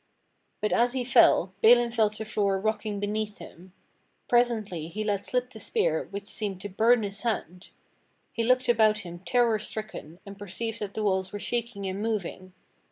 But as he fell Balin felt the floor rocking beneath him. Pres ently he let slip the spear which seemed to burn his hand. He looked about him terror stricken and perceived that the walls were shaking and moving.